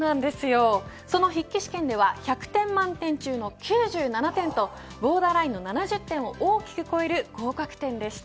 その筆記試験では１００点満点中の９７点とボーダーラインの７０点を大きく超える合格点でした。